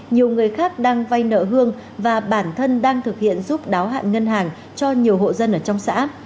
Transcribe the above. nhiều người khác đang vay nợ hương và bản thân đang thực hiện giúp đáo hạn ngân hàng cho nhiều hộ dân ở trong xã